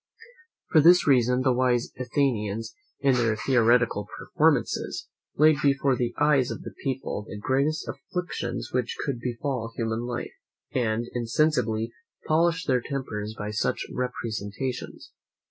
For this reason the wise Athenians, in their theatrical performances, laid before the eyes of the people the greatest afflictions which could befall human life, and insensibly polished their tempers by such representations.